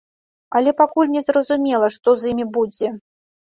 Але пакуль незразумела, што з імі будзе.